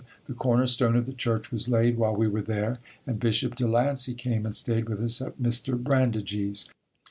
The corner stone of the church was laid while we were there and Bishop De Lancey came and stayed with us at Mr. Brandigee's.